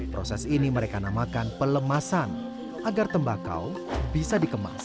proses ini mereka namakan pelemasan agar tembakau bisa dikemas